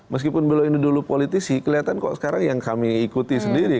meskipun beliau ini dulu politisi kelihatan kok sekarang yang kami ikuti sendiri